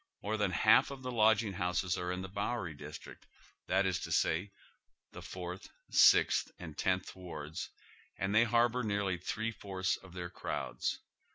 More than half of the lodging houses are in the Bowery district, that is to say, the Fourth, Sixth, and Tenth "Wards, and they harbor nearly three fourths of their crowds.